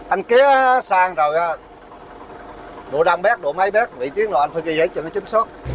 anh kế sang rồi đổ đâm bét đổ máy bét bị tiếng rồi anh phải ghi để cho nó chứng xuất